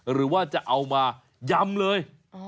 หรือว่าจะเอามายำเลย